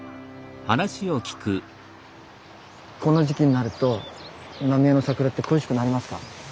この時期になると浪江の桜って恋しくなりますか？